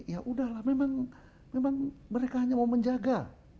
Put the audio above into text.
ya udahlah memang mereka hanya mau menjaga